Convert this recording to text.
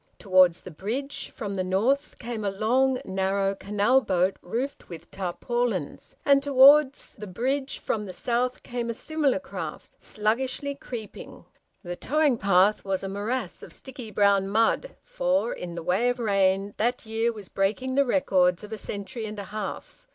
Towards the bridge, from the north came a long narrow canal boat roofed with tarpaulins; and towards the bridge, from the south came a similar craft, sluggishly creeping. The towing path was a morass of sticky brown mud, for, in the way of rain, that year was breaking the records of a century and a half.